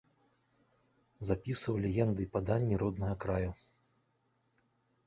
Запісваў легенды і паданні роднага краю.